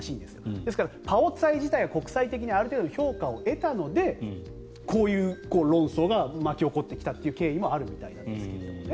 ですから、パオツァイ自体が国際的にある程度評価を得たのでこういう論争が巻き起こってきたという経緯もあるみたいなんですけどね。